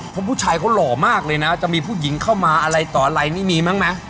เพราะผู้ชายเขาหล่อมากเลยนะจะมีผู้หญิงเข้ามาอะไรต่ออะไรนี่มีมั้งไหม